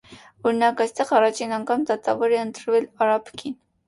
Օրինակ այստեղ առաջին անգամ դատավոր է ընտրվել արաբ կին։